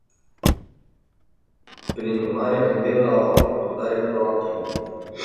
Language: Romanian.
Prin urmare, îndemn la o abordare proactivă.